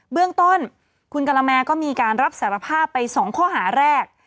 เบื้องต้นคุณกะละแมก็มีการรับสารภาพไป๒ข้อหาแรก